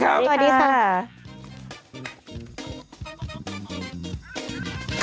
เหลักก่อนค่ะนะสวัสดีครับ